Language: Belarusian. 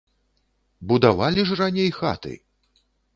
Будавалі ж раней хаты!